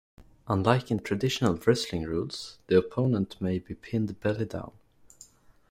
Unlike in traditional wrestling rules, the opponent may be pinned belly-down.